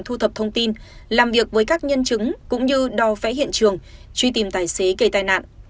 thu thập thông tin làm việc với các nhân chứng cũng như đo vẽ hiện trường truy tìm tài xế gây tai nạn